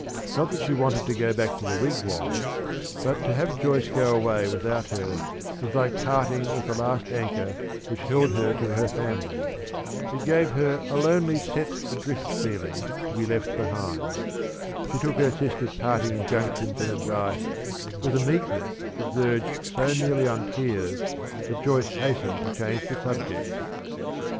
Not that she wanted to go back to the Wigwam, but to have Joyce go away without her was like parting with the last anchor which held her to her family. It gave her a lonely set adrift feeling to be left behind. She took her sister's parting injunctions and advice with a meekness that verged so nearly on tears that Joyce hastened to change the subject.